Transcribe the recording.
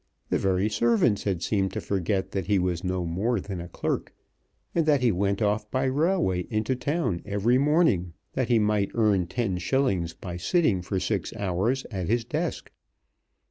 The very servants had seemed to forget that he was no more than a clerk, and that he went off by railway into town every morning that he might earn ten shillings by sitting for six hours at his desk.